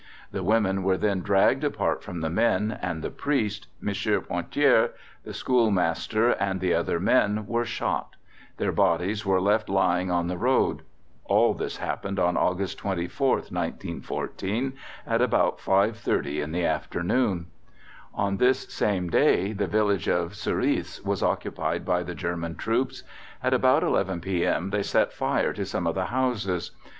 The women were then dragged apart from the men, and the priest, M. Pointhiere, the schoolmaster, and the other men were shot; their bodies were left lying on the road. All this happened on August 24th, 1914, at about 5.30 in the afternoon. On this same day the village of Surice was occupied by the German troops. At about 11 p. m. they set fire to some of the houses.